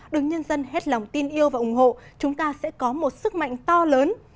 đứng nhân dân hết lòng tin yêu và ủng hộ chúng ta sẽ có một sức mạnh to lớn